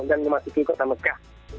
dan memastikan kota mecca